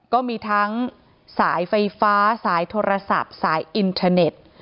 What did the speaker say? ก็มีทั้งสายไฟฟ้าสายโทรศัพท์สายอินเทอร์เน็ต